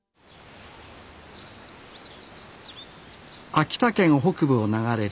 秋田県北部を流れる米代川。